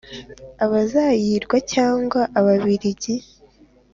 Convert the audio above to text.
abazayirwa cyangwa ababiligi